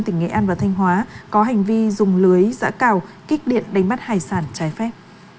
tỉnh nghệ an và thanh hóa có hành vi dùng lưới giã cào kích điện đánh bắt hải sản trái phép